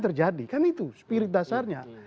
terjadi kan itu spirit dasarnya